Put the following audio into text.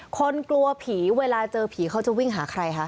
กลัวผีเวลาเจอผีเขาจะวิ่งหาใครคะ